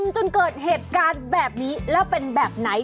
จนเกิดเหตุการณ์แบบนี้แล้วเป็นแบบไหน